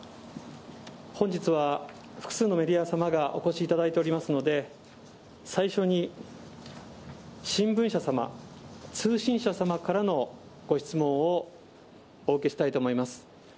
本日は、複数のメディア様がお越しいただいておりますので、最初に新聞社様、通信社様からのご質問をお受けしたいと思います。